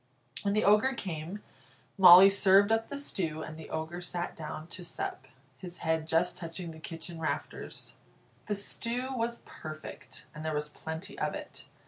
When the Ogre came, Molly served up the stew, and the Ogre sat down to sup, his head just touching the kitchen rafters. The stew was perfect, and there was plenty of it.